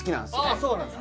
そうなんですよ